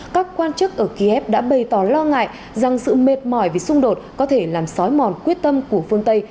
các quan chức ở kiev đã bày tỏ lo ngại rằng sự mệt mỏi vì xung đột có thể làm sói mòn quyết tâm của phương tây